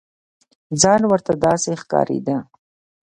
ځان ورته داسې ښکارېده.